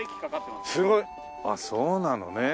ああそうなのね。